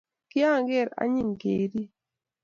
kianger anying keiryi